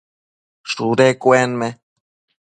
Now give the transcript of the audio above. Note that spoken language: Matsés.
shudu cuenme